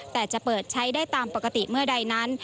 แต่จะเปิดใช้ได้ตามปกติเมื่อใดนั้น